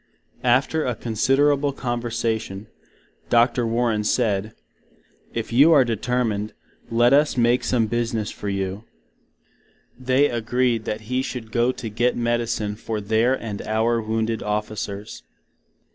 After a considerable conversation, Dr. Warren said, If you are determined, let us make some business for you. They agreed that he should go to git medicine for their and our Wounded officers.